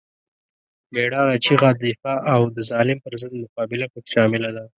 مېړانه، چیغه، دفاع او د ظالم پر ضد مقابله پکې شامله ده.